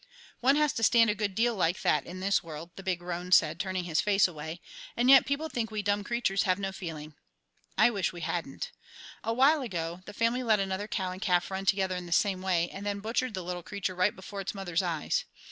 "One has to stand a good deal like that in this world," the big roan said, turning his face away, "and yet people think we dumb creatures have no feeling. I wish we hadn't. A while ago, the family let another cow and calf run together in the same way, and then butchered the little creature right before its mother's eyes.